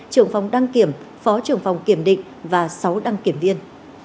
trưởng phòng đăng kiểm phó trưởng phòng kiểm định và sáu đăng kiểm viên